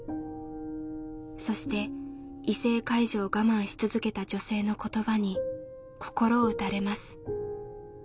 そして異性介助を我慢し続けた女性の言葉に心を打たれます。